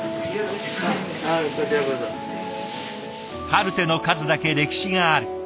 カルテの数だけ歴史がある。